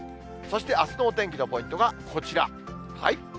そしてあすのお天気のポイントがこちら。